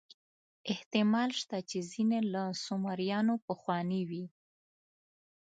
احتمال شته چې ځینې له سومریانو پخواني وي.